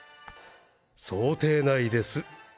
想定内です。